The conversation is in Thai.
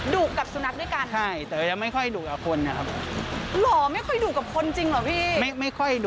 ดุกกับสุนัขด้วยกันอยู่ในผ่าน